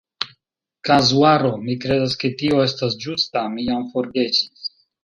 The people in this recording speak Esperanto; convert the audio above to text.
"Kazuaro". Mi kredas, ke tio estas ĝusta, mi jam forgesis.